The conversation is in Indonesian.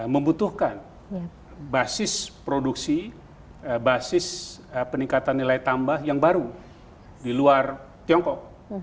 membutuhkan basis produksi basis peningkatan nilai tambah yang baru di luar tiongkok